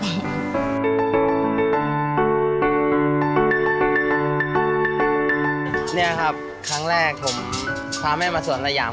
นี่แหละครับครั้งแรกผมพาแม่มาสวนสยาม